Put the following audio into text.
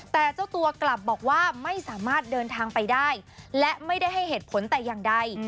แต่เจ้าตัวกลับบอกว่าไม่สามารถเดินทางไปได้และไม่ได้ให้เหตุผลแต่อย่างใด